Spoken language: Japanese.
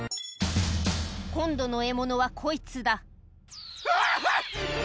今度の獲物はこいつだあ！